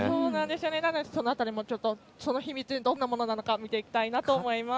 なので、その辺りその秘密がどんなものなのか見ていきたいと思います。